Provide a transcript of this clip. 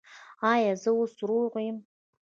ایا زه اوس روغ یم؟